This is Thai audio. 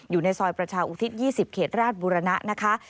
อยู่ในซอยประชาอุทิศ๒๐เขตราชบุรณะนะคะ